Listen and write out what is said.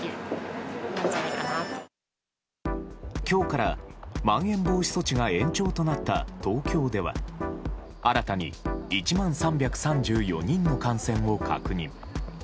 今日からまん延防止措置が延長となった東京では新たに１万３３４人の感染を確認。